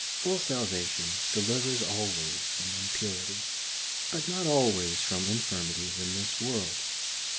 Full salvation delivers always from impurity, but not always from infirmities in this world.